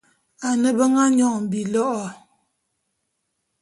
Ane be nga nyon bilo'o.